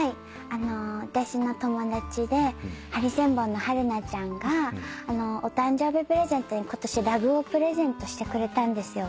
私の友達でハリセンボンの春菜ちゃんがお誕生日プレゼントに今年ラグをプレゼントしてくれたんですよ。